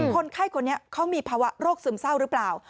คนไข้คนนี้เขามีภาวะโรคซึมเศร้าหรือเปล่า